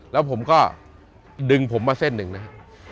แล้วผมก็ดึงผมมาเส้นหนึ่งนะฮะ